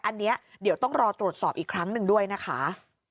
อันนี้เดี๋ยวต้องรอตรวจสอบอีกครั้งหนึ่งด้วยนะคะ